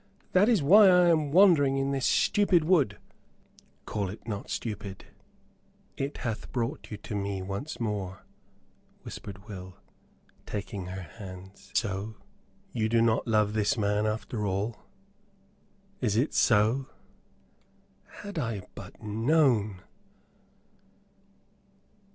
That is why I am wandering in this stupid wood." "Call it not stupid, it hath brought you to me once more," whispered Will, taking her hands; "and so you do not love this man after all? Is it so? Had I but known!"